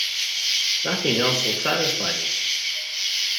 Nothing else will satisfy me.